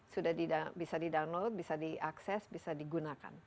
sudah bisa di download bisa diakses bisa digunakan